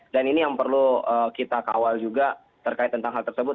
dan ini yang perlu kita kawal juga terkait tentang hal tersebut